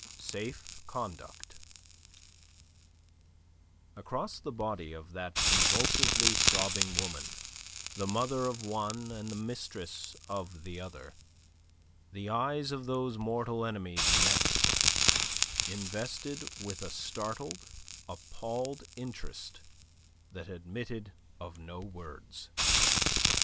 SAFE CONDUCT Across the body of that convulsively sobbing woman, the mother of one and the mistress of the other, the eyes of those mortal enemies met, invested with a startled, appalled interest that admitted of no words.